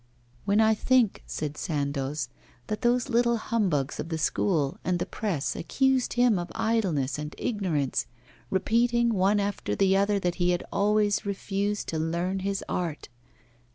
'When I think,' said Sandoz, 'that those little humbugs of the School and the press accused him of idleness and ignorance, repeating one after the other that he had always refused to learn his art.